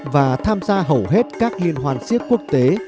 và tham gia hầu hết các liên hoan siếc quốc tế